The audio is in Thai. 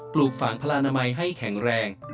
ปลูกฝังพลานามัยให้แข็งแรง